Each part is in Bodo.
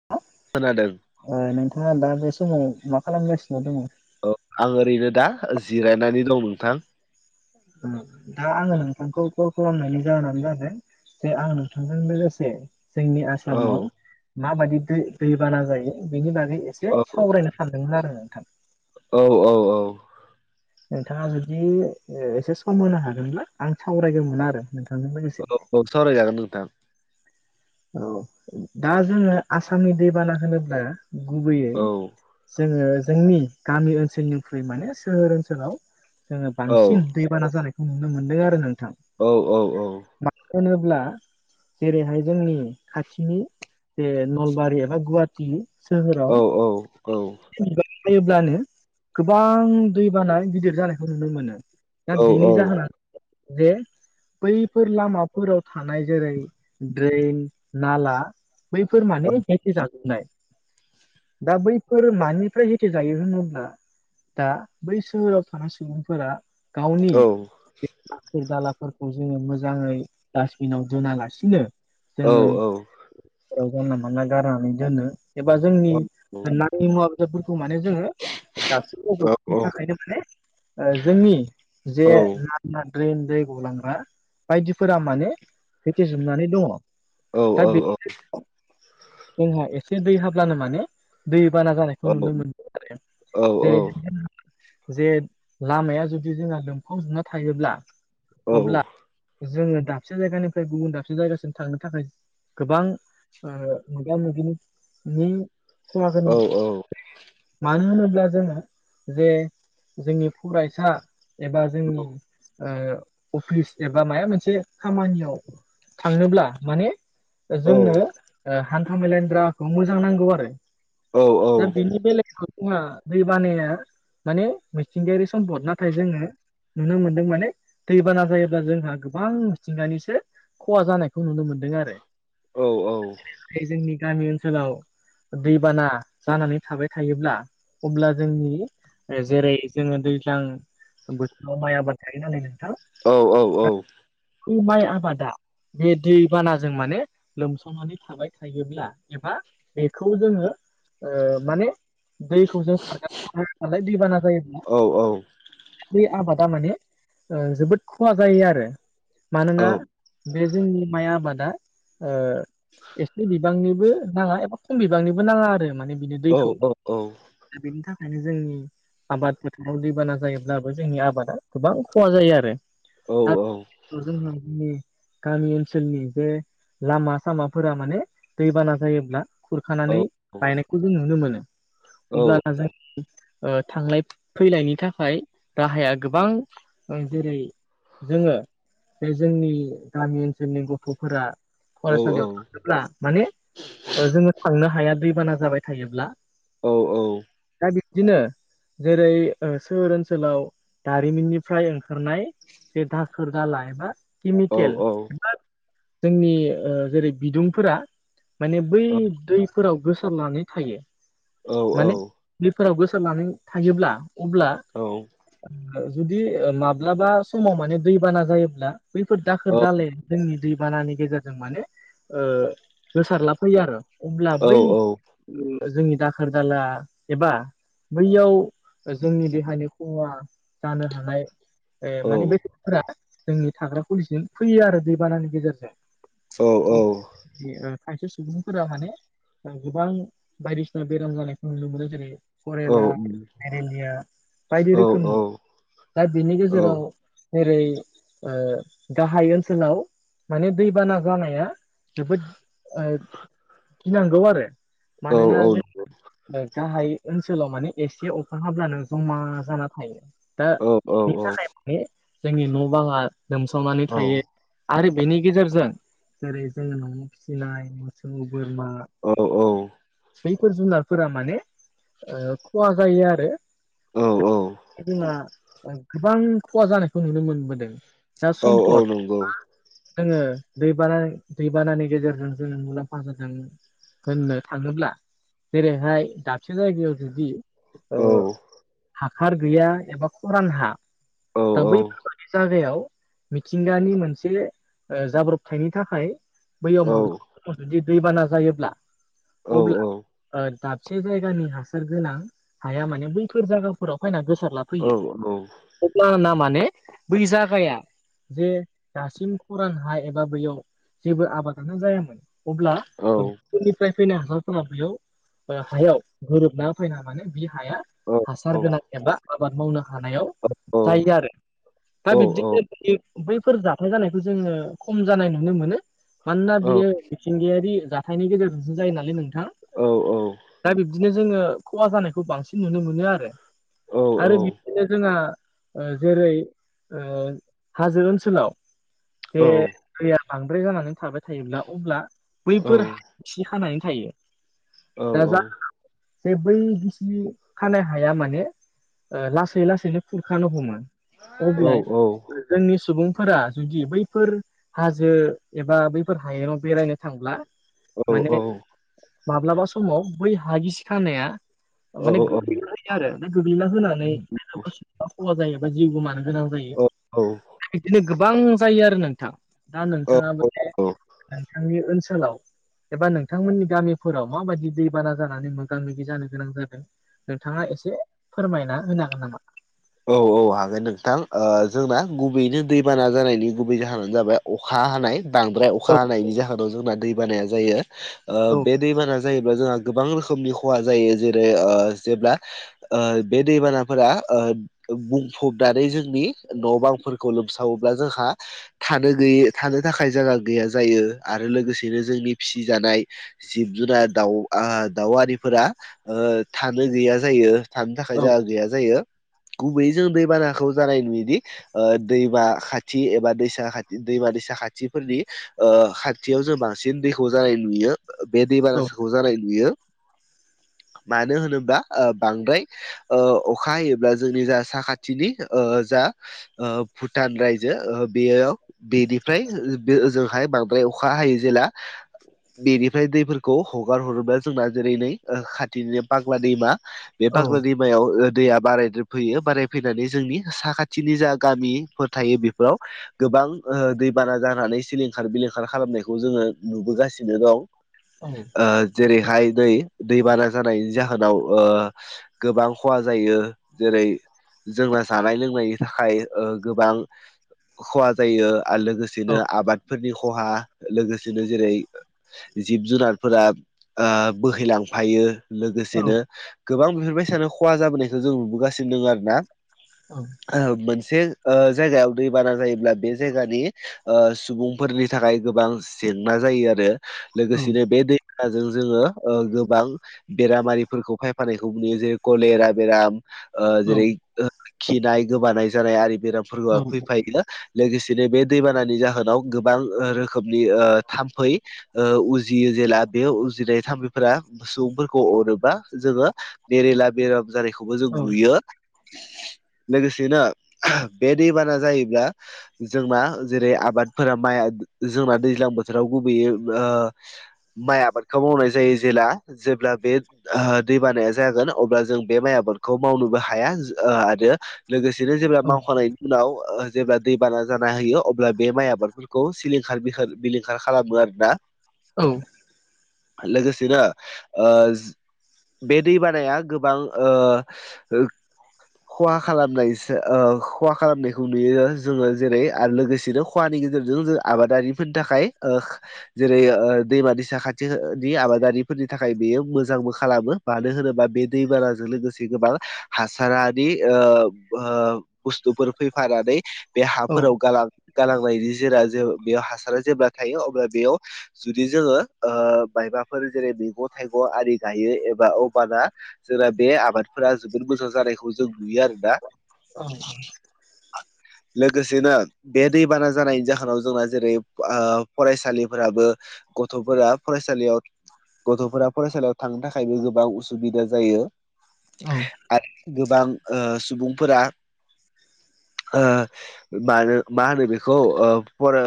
[inaudible] खोनादों ओ नोंथांङा दा बे समाव मा खालामगासिनो दोंङो ओ आं ओरैनो दा जिरायनानै दं नोंथां दा आंङो नोंथांखौ कल खालामनायनि जाहोनानो जादों जे आं नोंथांजों लोगोसे जोंनि औ आसामाव माबादि दै दैबाना जायो बेनि बागै एसे औ सावरायनो सानदोंमोन आरो औ औ औ नोंथांङा जुदि एसे सम होनो हागोनब्ला आं सावरायगौ मोना आरो नोंथांजों लोगोसे औ औ सावरायजागोन नोंथां औ दा जोंङो आसामनि दैबाना होनोब्ला गुबैयै औ जोंङो जोंनि गामि ओनसोलनिख्रुइ माने सोहोर ओनसोलाव जोंङो औ बांसिन दैबाना जानायखौ नुनो मोनदों आरो नोंथां औ औ औ मा [unintelligible] होनोब्ला जेरैहाय जोंनि खाथिनि जे नलबारि एबा गुवा [unintelligible] टि सोहोराव औ औ औ [unintelligible] जायोब्लानो गोबां दैबाना गिदिर जानायखौ नुनो मोनो दा औ बिनि जाहोना जे बैफोर लामाफोराव थानाय जेरै जेरै नाला बैफोर माने हेथे जाजोबनाय दा बैफोर मानिफ्राय हेथे जायो होनोब्ला दा बै सोहोराव थानाय सुबुंफोरा गावनि बे दाखोर दालाफोरखौ जोंङो मोजांङै डासबिनाव दोनालासिनो जोंङो ओ जानला मानला गारनानै दोनो एबा जोंनि नांङि मुवा बेसादफोरखौ माने जोंङो दा [unintelligible] थाखायनो माने ओ जोंनि जे ना [unintelligible] द्रिन दै गलांग्रा बायदिफोरा माने हेथेजोबनानै दंङो दा बे [unintelligible] जोंहा एसे दै हाब्लानो माने दै बाना जानाय खौ नुनो मोनदों आरो जेरै [unintelligible] जे लामाया जुदि जोंहा लोम [unintelligible] जुबना थायोब्ला अब्ला जोङो दाबसे जायगानिफ्राय गुबुन दाबसे जायगासिम थांनो थाखाय गोबां ओ मोगा मोगिनि [unintelligible] खोनादों मानो होनोब्ला जोंङो जे जोंनि फरायसा एबा जोंनि ओ अफिस एबा माबा मोनसे खामानियाव थांनोब्ला माने जोंनो हान्था मेलाायनि राहाखौ मोजां नांगौ आरो। दा बेनि बेलेग नङा जोंहा दै बानाया माने मिथिंगायारि सम्पद नाथाय जोंङो नुनो मोनदों माने दैबाना जायोब्ला जोंहा गोबां मिथिंगानिसो खहा जानाय खौ नुनो मोनदों आरो बे जोंनि गामि ओनसोलाव दैबाना जानानै थाबाय थायोब्ला अब्ला जोंनि जेरै जोंङो दैज्लां बोथोराव माइ आबाद थायो नालाय नोंथां औ औ औ बे माइ आबादा बे दै बानाजों माने लोमसावनानै थाबाय थायोब्ला एबा बेखौ जोंङो माने दैखौ जों सारगारोनालाय दैबाना जायोब्ला बे आबादा माने जोबोद खहा जायो आरो मानोना बे जोंनि माइ आबादा ओ एसे बिबांनिबो नाङा एबा खम बिबांनिबो नाङा आरो माने बिनि दैखौ दा बेनि थाखायनो जों आबाद फोथाव दैबाना जायोब्लाबो जोंनि आबादा गोबां खहा जायो आरो। औ दा औ [unintelligible] गामि ओनसोलनि बे लामा सामाफोरा माने दैबाना जायोब्ला खुरखानानै गायनायखौ जों नुनो मोनो अब्लाना जों थांलाय फैलायनि थाखाय राहाया गोबां ओं जेरै जोंङो बे जोंनि गामि ओनसोलनि गथ'फोरा औ फरायसालियाव औ औ थांङोब्ला माने जोंङो थांनो हाया दैबाना जाबाय थायोब्ला औ औ दा बिबदिनो जेरै सोहोर ओनसोलाव दारिमिननिफ्राय ओंखारनाय जे दाखोर दाला एबा केमि केल जोंनि जेरै बिदुंफोरा माने बै दैफोराव गोसारनानै थायो माने दुबलि फोराव गोसारनानै थायोब्ला अब्ला जुदि माब्लाबा समाव माने दैबाना जायोब्ला बैफोर दाखोर दालाया जोंनि दैबानानि गेजेरजों माने ओ गोसारला फैयो आरो। अब्ला बै जोंनि दाखोर दाला एबा बैयाव जोंनि देहानि खहा जानो हानाय ए माने बेफोरा जोंनि थाग्रा खुलिसिम फैयो आरो दैबानानि गेजेरजों अ खायसे सुबुंफोरा माने गोबां बायदिसिना बेराम जानायखौ नुनो मोनो जेरै करेला मेलेरिया बायदि रोखोमनि दा बेनि गेजेराव जेरै ओ गाहाय ओनसोलाव माने दैबाना जानाया जोबोद ओ गिनांगौ आरो मानोना जों गाहाय ओनसोलाव माने एसे अखा हाब्लानो जमा जाना थायो दा बेनि थाखाय जोंनि न' बाङा लोमसावनानै थायो। आरो बेनि गेजेरजों जेरै जोंङो न'आव फिसिनाय औ बोरमा बैफोर जुनारफोरा माने ओ खहा जायो आरो जोंहा ओ गोबां खहा जानायखौ नुनो मोनबोदों दा सम्पद जोङो दैबाना दैबानानि गेजेरजों जोङो मुलाम्फा जादों होननो थाङोब्ला जेरैहाय दाबसे जायगायाव दुगैयो ओ हाखार गैया एबा खरान हा दा बैफोरबायदि जागायाव मिथिंगानि मोनसे ओ जाब्रबथायनि थाखाय बैआव माब्ला जुदि दैबाना जायोब्ला अब्ला ओ दाबसे जायगानि हासार गोनां हाया माने बैफोर जायगाफोराव फैना गोसार लां औ औ अब्ला ना माने बै जागाया जे दासिम खरां हा एबा बैयाव जेबो आबादानो जायामोन अब्ला गुबुननिफ्राय फैनाय हागारफोरा बेयाव हायाव गोरोबना फैना माने बि हाया हासार गोनां एबा आबाद मावनो हानायाव जायो आरो दा बिदिनो बैयो बैफोर जाथाय जानायखौ जोङो खम जानाय नुनो मोनो मानोना बियो मिथिंगा आरि जाथायनि गेजेरजोंसो जायो नालाय नोंथां औ औ दा बिब्दिनो जोङो खहा जानायखौ बांसिन नुनो मोनो आरो आरो बिदिनो जोंहा ओ जेरै ओ हाजो ओनसोलाव जे दैआ बांद्राय जानानै थाबाय थायोब्ला अब्ला बैफोर हा खि हानानै थायो दा जाहोनाव जे बै गिसि खानाय हाया माने ओ लासै लासैनो खुरखानो हमो अब्ला ओ जोंनि सुबुंफोरा जुदि बैफोर हाजो एबा बैफोर हायेनाव बेरायनो थांब्ला माने माब्लाबा समाव बै हागिसि खानाया माने गोग्लैना होयो आरो दा गोग्लैना होनानै इसिबां खहा जायोबा जिउ गोमानो गोनां जायो औ औ बिदिनो गोबां जायो आरो नोंथां दा औ नोंथांआबो औ नोंथांनि ओनसोलाव एबा नोंथांमोननि गामिफोराव माबादि दैबाना जानानै मोगा मोगि जानो गोनां जादों नोंथांआ एसे फोरमायना होनो हागोन नामा औ औ हागोन नोंथां ओ जोंना गुबैयैनो दैबाना जानायनि गुबै जाहोनानो जाबाय अखा हानाय बांद्राय अखा औ हानायनि जाहोनाव जोंना दै बानाया जायो ओ औ बे दैबाना जायोब्ला जोंहा गोबां रोखोमनि खहा जायो जेरै ओ जेब्ला ओ बे दैबानाफोरा ओ ओ बुंफबनानै जोंनि न' बांफोरखौ लोमसावोब्ला जोंहा थानो गैयै थानो थाखाय जायगा गैया जायो आरो लोगोसेनो जोंनि फिसिजानाय ओ जिब जुनार दाउ दाउ आ आरिफोरा ओ थानो गैया जायो थानो थाखाय औ जोंहा गैया जायो गुबैयै जों दैबानाखौ जानाय नुयोदि ओ ओ दैमा खाथि एबा दैसा खाथि दैमा दैसा खाथिफोरनि ओ खाथिआव जों बांसिन दैखौ जानाय नुयो बे दै बानाखौ जानाय नुयो मानो होनोबा ओ बांद्राय ओ अखा हायोब्ला जों जोंनि जा साखाथिनि ओ जा ओ भुटान रायजो ओ बेआव बेनिफ्राय ओ बे ओजोंहाय बांद्राय अखा हायोै जेला बेनिफ्राय दैफोरखौ हगार हरोब्ला जोंना जेरै नै ओ खाथिनिनो फाग्ला दैमा बे औ फाग्ला दैमायाव ओ दैआ बाराय जोब फैयो बाराय फैनानै जोंनि साखाथिनि जा गामिफोर थायो बेफोराव गोबां ओ दैबाना जानानै सिलिंखार बिलिंखार खालामनायखौ जोङो नुबोगासिनो दं औ ओ जेरैहाय नै दैबाना जानायनि जाहोनाव ओ गोबां खहा जायो जेरै जोंना जानाय लोंनायनि थाखाय ओ गोबां खहा जायो आरो लोगोसेनो औ आबादफोरनि खहा लोगोसेनो जेरै जिब जुनारफोरा ओ बोहैलांफायो औ लोगोसेनो गोबां बेफोरबायसानो खहा जाबोनायखौ जों नुबोगासिनो दङ आरो ना औ मोनसे ओ जायगायाव दैबाना जायोब्ला बे जायगानि ओ सुबुंफोरनि थाखाय गोबां जेंना जायो आरो औ लोगोसेनो बे दै जों जोङो गोबां बेरामारिफोरखौ फायफानायखौ नुयो जेरै कलेरा बेराम ओ औ जेरै खिनाय गोबानाय जानाय आरि बेरामफोरबो औ फैफायो लोगोसेनो बे दैबानानि जाहोनाव गोबां रोखोमनि ओ थाम्फै ओ उजियो जेला बे उजिनाय थाम्फबिफोरा सुबुंफोरखौ अरोबा जोङो बेरेला बेराम जानायखौबो जों औ नुयो लोगोसेनो बे दैबाना जायोब्ला जोंना जेरै आबादफोरा माइया जोंना दैज्लां बोथोराव गुबैयै ओ माइ आबादखौ मावनाय जायो जेला जेब्ला बे ओ दै बानाया जागोन अब्ला जों बे माइ आबाद खौ मावनोबो हाया ओ आरो लोगोसेनो जेब्ला मावखानाय उनाव जेब्ला दैबाना जाना होयो अब्ला बे माइ आबाद खौ सिलिंखार बिलिंखार खालामो आरोना औ लोगोसेनो ओ बे दैबानाया गोबां ओ खहा खालामनायसो ओ खहा खालामनायखौ नुयो जोङो जेरै आरो लोगोसेनो खवानि गेजेरजों जों आबादारिफोरनि थाखाय ओ जेरै दैमा दै साखाथिनि आबादारिफोरनि थाखाय बेयो मोजांबो खालामो मानो होनोबा बे दैबानाजों लोगोसे गोबां हासारानि ओ ओ बुस्थुफोर फैफानानै बे हाफोराव गालांनायनि जेरा ज बेयाव हासारा जेब्ला थायो अब्ला बेयाव जुदि जोङो ओ मायबाफोर जेरै मैगं थाइगं आरि गायो एबा अबाना जोंना बे आबादफोरा जोबोद मोजां जानायखौ जों नुयो आरोना औ लोगोसेनो बे दैबाना जानायनि जाहोनाव जोंना जेरै ओ फरायसालिफोराबो गथ'फोरा फरायसालियाव गथ'फोरा फरायसालियाव थांनो थाखायबो गोबां उसुबिदा जायो औ आरो गोबां ओ सुबुंफोरा ओ मानो मा होनो बेखौ फरा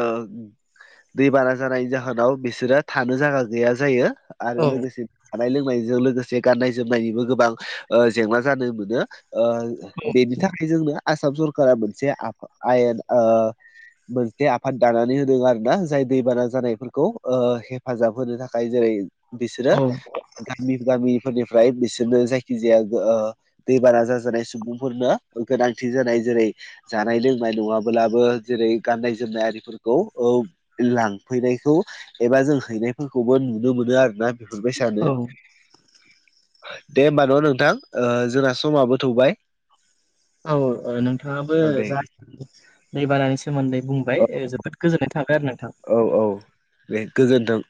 दैबाना जानायनि जाहोनाव बिसोरो थानो जायगा गैया जायो आरो लोगोसे जानाय लोंनायजों लोगोसे गाननाय जोमनायनिबो गोबां ओ जेंना जानो मोनो ओ बेनि थाखाय जोंनो आसाम सरका मोनसे आयेन ओ। मोनसे आफाद दानानै होदों आरो ना जाय दैबाना जानायफोरखौ ओ हेफाजाब होनो थाखाय जेरै। बिसोरो गामि गामिफोरनिफ्राय बिसोरनो जायखि। जेयाबो ओ दैबाना जाजानाय सुबुंफोरनो गोनांथि जानाय जेरै। जानाय लोंनाय नङाब्लाबो जेरै गाननाय जोमनाय आरिफोरखौ। लांफैनायखौ एबा जों हैनायफोरखौबो नुनो मोनो आरोना। हरबाय सानो दे होमबा। अ नोंथां ओ जोंना समाबो थौबाय। औ ओ नोंथाङाबो औ दे जा दै बानानि सोमोन्दै औ बुंबाय जोबोद गोजोननाय थाबाय आरो नोंथां। औ औ दे गोजोनथों।